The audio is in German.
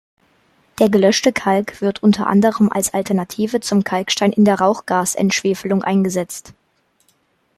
Der gelöschte Kalk wird unter anderem als Alternative zum Kalkstein in der Rauchgasentschwefelung eingesetzt.